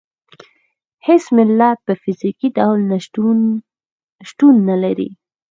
هېڅ ملت په فزیکي ډول شتون نه لري.